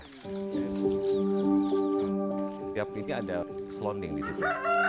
setiap ini ada selondeng di situ